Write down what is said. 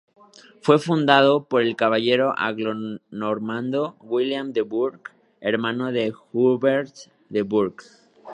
Fue fundado por el caballero anglonormando William de Burgh, hermano de Hubert de Burgh.